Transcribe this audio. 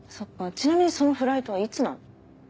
ちなみにそのフライトはいつなの？